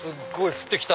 降ってきた。